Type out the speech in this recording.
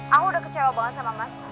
aku udah kecewa banget sama mas